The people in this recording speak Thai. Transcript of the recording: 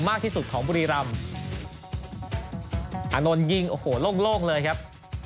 มากที่สุดของบุรีรำอานนท์ยิงโอ้โหโล่งโล่งเลยครับ